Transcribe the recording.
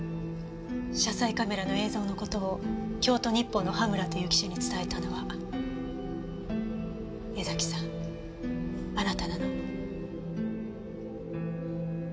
車載カメラの映像の事を京都日報の羽村という記者に伝えたのは江崎さんあなたなの？